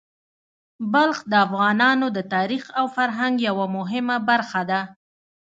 بلخ د افغانانو د تاریخ او فرهنګ یوه مهمه برخه ده.